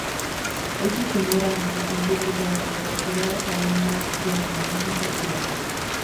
Es ingeniera en gestión pública de la Universidad Academia de Humanismo Cristiano.